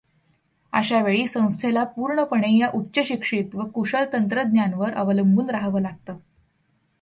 अशा वेळी संस्थेला पूर्णपणे या उच्चशिक्षित व कुशल तंत्रज्ञांवर अवलंबून राहावं लागतं.